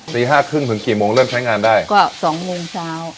ตีห้าครึ่งถึงกี่โมงเริ่มใช้งานได้ก็สองโมงเช้า